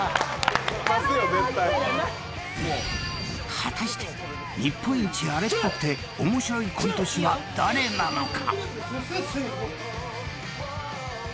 ［果たして日本一あれっぽくて面白いコント師は誰なのか？］